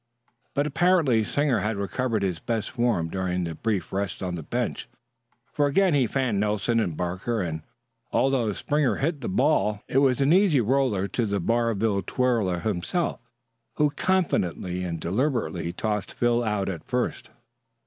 But apparently Sanger had recovered his best form during the brief rest on the bench, for again he fanned Nelson and Barker; and, although Springer hit the ball, it was an easy roller to the Barville twirler himself, who confidently and deliberately tossed Phil out at first.